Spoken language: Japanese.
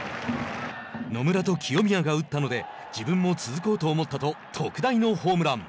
野村と清宮が打ったので自分も続こうと思ったと特大のホームラン。